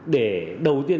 để đầu tiên